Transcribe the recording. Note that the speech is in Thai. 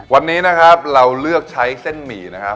วันนี้นะครับเราเลือกใช้เส้นหมี่นะครับ